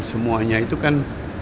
semuanya itu kan